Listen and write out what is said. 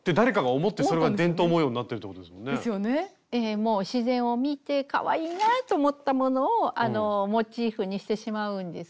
もう自然を見てかわいいなと思ったものをモチーフにしてしまうんですね。